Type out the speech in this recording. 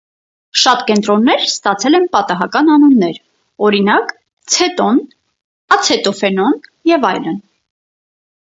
Շատ կետոններ ստացել են պատահական անուններ, օրինակ, ցետոն, ացետոֆենոն և այլն։